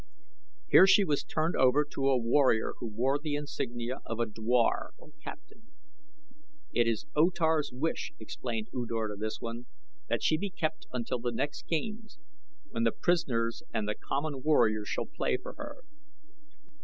Here she was turned over to a warrior who wore the insignia of a dwar, or captain. "It is O Tar's wish," explained U Dor to this one, "that she be kept until the next games, when the prisoners and the common warriors shall play for her.